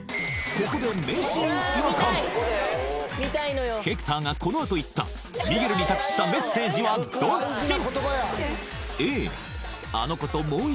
ここでヘクターがこのあと言ったミゲルに託したメッセージはどっち？